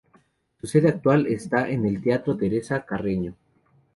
Su sede actual está en el Teatro Teresa Carreño.